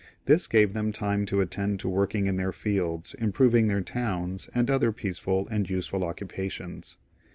This gave them time to attend to working in their fields, improving their towns, and other peaceful and useful occupations.